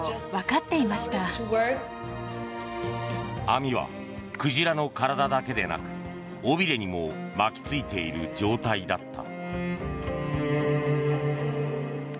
網は鯨の体だけでなく尾びれにも巻きついている状態だった。